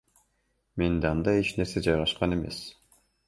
Менде андай эч нерсе жайгашкан эмес.